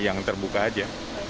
yang terbuka aja